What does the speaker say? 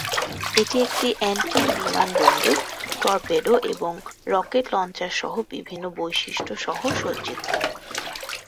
এটি একটি এন্টি-বিমান বন্দুক, টর্পেডো এবং রকেট লঞ্চার সহ বিভিন্ন বৈশিষ্ট্য সহ সজ্জিত।